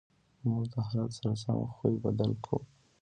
موږ د حالت سره سم خوی بدل کړو.